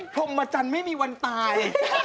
พรมจันทร์ไม่มีวันตาย